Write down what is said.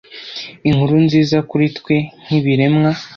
Inkuru nziza kuri twe nk'ibiremwa,